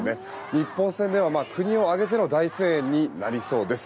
日本戦では国を挙げての大声援になりそうです。